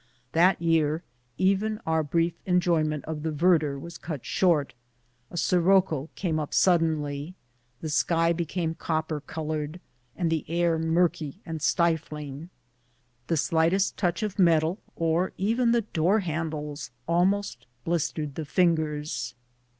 That year even our brief enjoyment of the verdure was cut short. A si rocco came up suddenly. The sky became copper col ored, and the air murky and stifling ; the slightest touch of metal, or even the door handles, almost blistered the THE SUMMER OF THE BLACK HILLS EXPEDITION. 189 fingers.